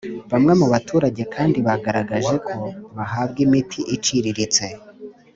Bamwe mu baturage kandi bagaragaje ko bahabwa imiti iciririritse